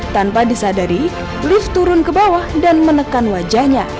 tanpa disadari lift turun ke bawah dan menekan wajahnya